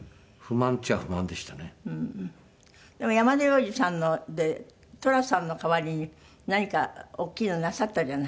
でも山田洋次さんので寅さんの代わりに何か大きいのなさったじゃない。